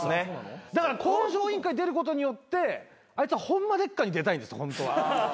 だから『向上委員会』出ることによってあいつは『ホンマでっか！？』に出たいんですよホントは。